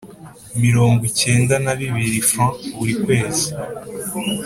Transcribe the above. mirongo cyenda n abiri Frw buri kwezi